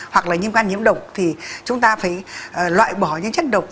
hoặc là viêm gan nhiễm độc thì chúng ta phải loại bỏ những chất độc